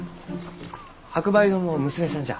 白梅堂の娘さんじゃ。